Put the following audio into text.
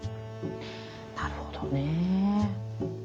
なるほどね。